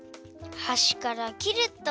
はしからきると。